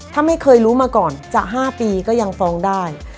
ถ้าไม่เคยรู้มาก่อนจะ๕ปีก็ยังฟ้องได้